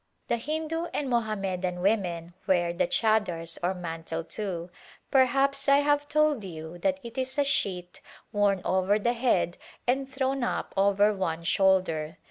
The Hindu and Mohammedan women wear the chadars or mantle, too. Perhaps I have told you that it is a sheet worn over the head and thrown up over one shoulder.